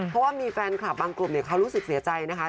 เพราะว่ามีแฟนคลับบางกลุ่มเขารู้สึกเสียใจนะคะ